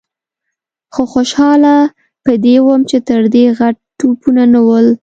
خو خوشاله په دې وم چې تر دې غټ توپونه نه ول.